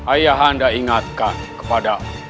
ayahanda ingatkan kepadamu